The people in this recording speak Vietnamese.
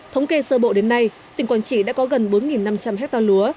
thống kê sơ bộ đến nay tỉnh quảng trị đã có gần bốn năm trăm linh hectare lúa